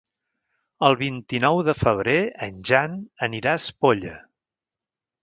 El vint-i-nou de febrer en Jan anirà a Espolla.